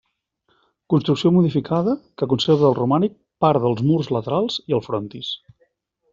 Construcció modificada que conserva del romànic part dels murs laterals i el frontis.